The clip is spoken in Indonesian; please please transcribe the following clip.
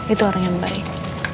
itu orang yang baik